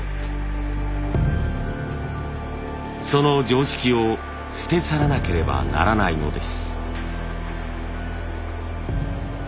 その常識を捨て去らなければならないのです。